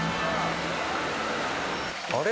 あれ？